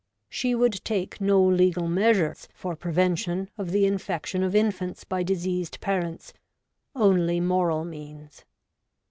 ,,' She would take no legal measures for prevention of the infection of infants by diseased parents; only moral means.'